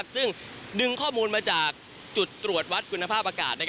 ซึ่งดึงข้อมูลมาจากจุดตรวจวัดคุณภาพอากาศ